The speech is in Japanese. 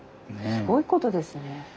すごいことですね。